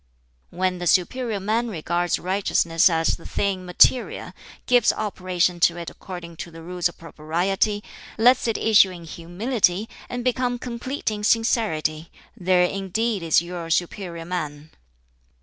"When the 'superior man' regards righteousness as the thing material, gives operation to it according to the Rules of Propriety, lets it issue in humility, and become complete in sincerity there indeed is your superior man!